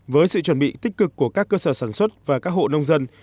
với sự chuẩn bị tích cực của các cơ sở sản xuất và các hộ nông dân